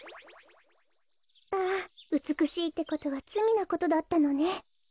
あうつくしいってことはつみなことだったのね。